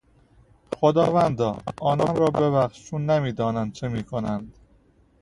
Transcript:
خداوندا، آنان را ببخش چون نمیدانند چه میکنند.